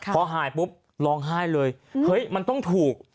พอหายปุ๊บร้องไห้เลยเฮ้ยมันต้องถูก